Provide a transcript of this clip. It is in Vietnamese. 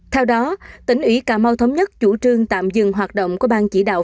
theo đó tỉnh ủy cà mau thống nhất chủ trương tạm dừng hoạt động của bang chỉ đạo